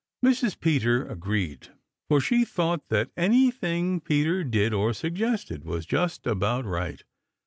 Mrs. Peter agreed, for she thought that anything Peter did or suggested was just about right.